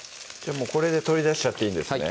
もうこれで取り出しちゃっていいんですね